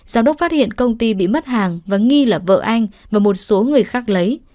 giám đốc phát hiện công ty bị mất hàng và nghi là vợ anh và một số người khác lấy